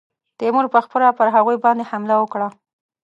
تیمور پخپله پر هغوی باندي حمله وکړه.